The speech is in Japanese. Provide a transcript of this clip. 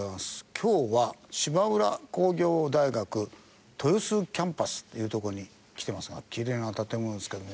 今日は芝浦工業大学豊洲キャンパスという所に来てますがきれいな建物ですけども。